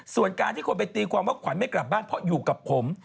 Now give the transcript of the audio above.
ส่วนการที่คนไปตีความว่าขวัญไม่กลับบ้านเพราะอยู่กับผม